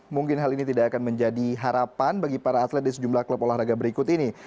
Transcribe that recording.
mungkin hal ini tidak akan menjadi harapan bagi para atlet di sejumlah klub olahraga berikut ini